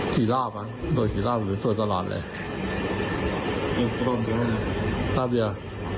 กี่รอบอ่ะสวดกี่รอบหรือตรวจตลอดเลยรอบเดียว